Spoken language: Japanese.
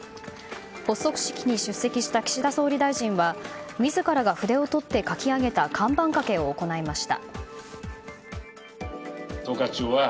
発足式に出席した岸田総理大臣は自らが筆を執って書き上げた看板かけを行いました。